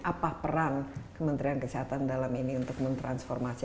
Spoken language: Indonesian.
apa perang kementerian kesehatan dalam ini untuk mentransformasi